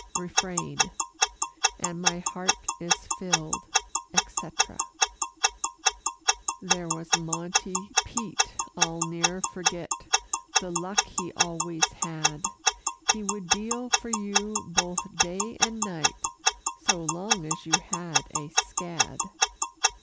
Refrain And my heart is filled, etc. There was Monte Pete I'll ne'er forget The luck he always had. He would deal for you both day and night, So long as you had a scad.